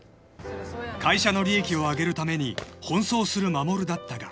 ［会社の利益を上げるために奔走する衛だったが］